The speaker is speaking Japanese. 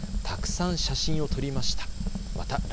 たくさん写真を撮りました。